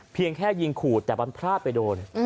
เพียงแค่ยิงขู่แต่มันพลาดไปโดน